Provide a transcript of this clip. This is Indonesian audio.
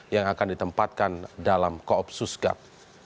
yang akan ditempatkan dalam koopsus gap